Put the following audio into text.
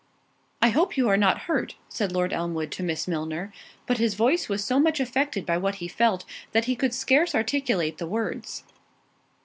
"I hope you are not hurt," said Lord Elmwood to Miss Milner, but his voice was so much affected by what he felt that he could scarce articulate the words.